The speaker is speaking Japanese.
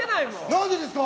何でですか？